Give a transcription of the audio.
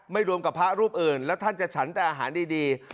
รวมกับพระรูปอื่นแล้วท่านจะฉันแต่อาหารดี